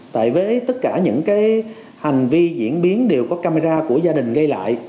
tại với tất cả những cái hành vi diễn biến đều có camera của gia đình gây lại